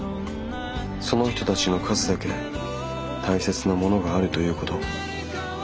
その人たちの数だけ大切なものがあるということ。